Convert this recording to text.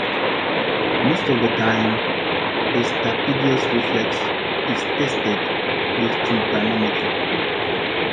Most of the time, the stapedius reflex is tested with tympanometry.